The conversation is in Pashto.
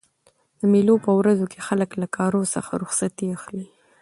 د مېلو په ورځو کښي خلک له کارو څخه رخصتي اخلي.